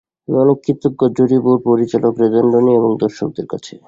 আমি অনেক কৃতজ্ঞ জুরি বোর্ড, পরিচালক রেদওয়ান রনি এবং দর্শকদের কাছে।